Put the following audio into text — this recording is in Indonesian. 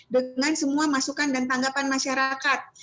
dengan semua masukan dan tanggapan masyarakat